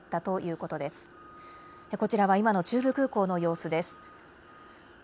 こちらは今の中部空港の様子です。